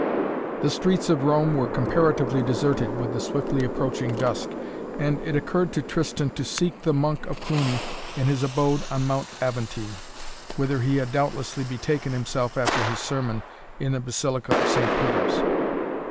The streets of Rome were comparatively deserted with the swiftly approaching dusk, and it occurred to Tristan to seek the Monk of Cluny in his abode on Mount Aventine whither he had doubtlessly betaken himself after his sermon in the Basilica of St. Peter's.